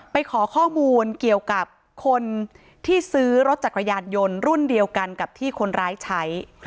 ไปขอข้อมูลเกี่ยวกับคนที่ซื้อรถจักรยานยนต์รุ่นเดียวกันกับที่คนร้ายใช้